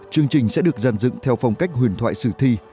chương trình sẽ được giàn dựng theo phong cách huyền thoại sử thi